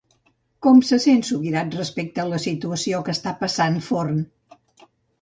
Com se sent Subirats respecte a la situació que està passant Forn?